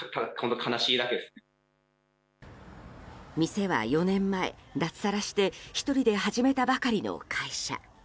店は４年前、脱サラして１人で始めたばかりの会社。